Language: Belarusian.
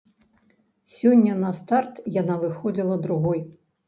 Сёння на старт яна выходзіла другой.